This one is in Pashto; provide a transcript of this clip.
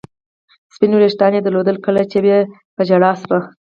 سپین وریښتان یې درلودل، کله به چې په ژړا شوه.